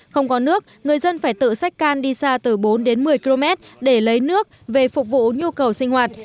không có nước người dân phải tự xách can đi xa từ bốn đến một mươi km để lấy nước về phục vụ nhu cầu sinh hoạt